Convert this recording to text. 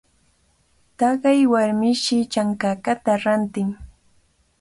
Taqay warmishi chankakata rantin.